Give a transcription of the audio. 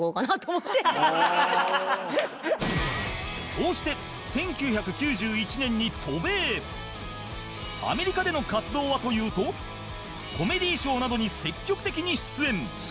そうしてアメリカでの活動はというとコメディショーなどに積極的に出演